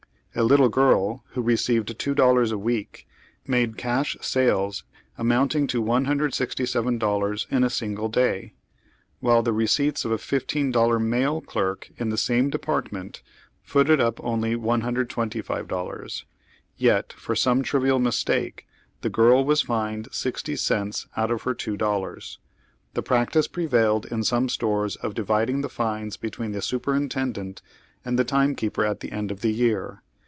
A little girl, who received two dollars a week, made cash sales amounting to $167 in a single day, while tiie receipts of a fifteen dollar male clerk in the same department footed up only $125 ; yet for some trivial mistake the girl was fined sixty cents out of her two dollars. The practice prevailed in some stores of dividing the fines between the superintendent and the time keeper at the end of the year.